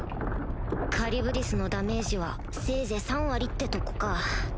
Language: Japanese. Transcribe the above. カリュブディスのダメージはせいぜい３割ってとこか。